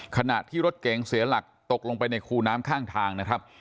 ขณะที่รถเก๋งเสียหลักตกลงไปในคูน้ำข้างทางนะครับ